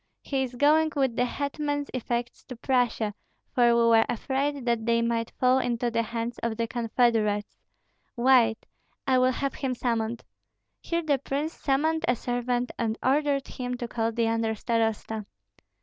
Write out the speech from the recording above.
He is going with the hetman's effects to Prussia, for we were afraid that they might fall into the hands of the confederates. Wait, I will have him summoned." Here the prince summoned a servant and ordered him to call the under starosta.